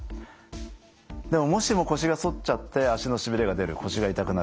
でももしも腰が反っちゃって脚のしびれが出る腰が痛くなる。